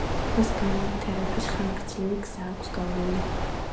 მას განვითარების ხანგრძლივი გზა აქვს გავლილი.